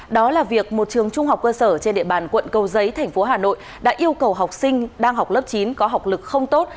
đó là việc một trường trung học cơ sở trên địa bàn quận cầu giấy thành phố hà nội đã yêu cầu học sinh đang học lớp chín có học lực không tốt